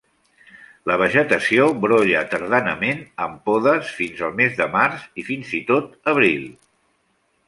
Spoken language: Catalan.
La vegetació brolla tardanament, amb podes fins al mes de març fins i tot abril.